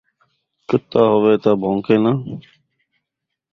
کتا ہووے تے بھون٘کے ناں